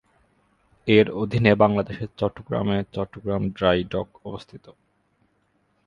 এর অধীনে বাংলাদেশের চট্টগ্রামে চট্টগ্রাম ড্রাই ডক অবস্থিত।